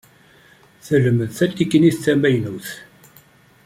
Telmed tateknit tamaynut.